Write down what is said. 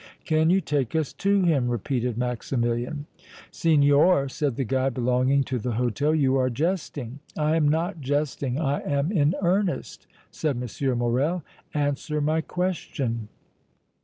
"Can you take us to him?" repeated Maximilian. "Signor," said the guide belonging to the hôtel, "you are jesting!" "I am not jesting, I am in earnest," said M. Morrel. "Answer my question."